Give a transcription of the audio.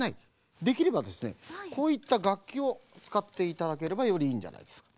できればですねこういったがっきをつかっていただければよりいいんじゃないですか。